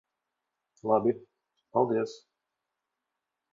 Labi. Paldies.